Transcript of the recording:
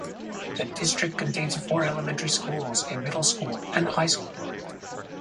The district contains four elementary schools, a middle school, and a high school.